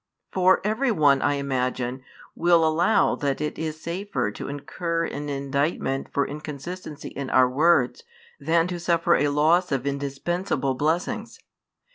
For every one, I imagine, will allow that it is safer to incur an indictment for inconsistency in our words, than to suffer a loss of indispensable blessings.